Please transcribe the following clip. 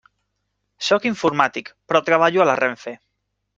Sóc informàtic, però treballo a la RENFE.